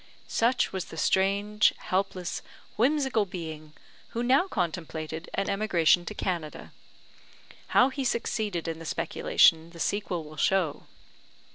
Such was the strange, helpless, whimsical being who now contemplated an emigration to Canada. How he succeeded in the speculation the sequel will show.